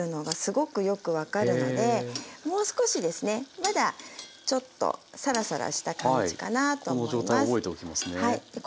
まだちょっとサラサラした感じかなと思います。